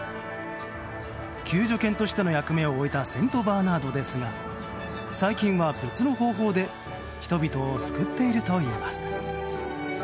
救助犬としての役目を終えたセントバーナードですが最近は別の方法で人々を救っているといいます。